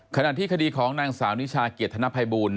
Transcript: ขณะที่คดีของนางสาวนิชาเกียรติธนภัยบูล